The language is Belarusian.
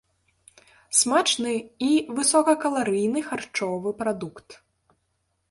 Смачны і высокакаларыйны харчовы прадукт.